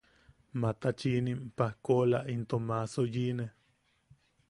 Matachiinim, pajkoola into maaso yiʼine.